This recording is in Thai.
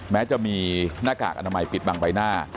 แม้จะมีหน้ากากอนามัยปิดบังใบหน้า